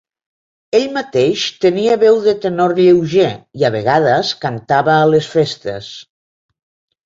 Ell mateix tenia veu de tenor lleuger i a vegades cantava a les festes.